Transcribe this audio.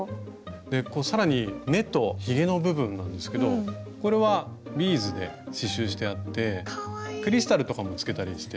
更に目とひげの部分なんですけどこれはビーズで刺しゅうしてあってクリスタルとかもつけたりして。